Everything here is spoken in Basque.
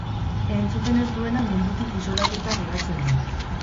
Entzuten ez duena mundutik isolatuta geratzen da.